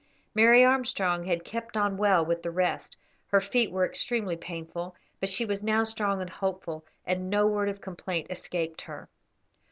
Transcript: Mary Armstrong had kept on well with the rest; her feet were extremely painful, but she was now strong and hopeful, and no word of complaint escaped her.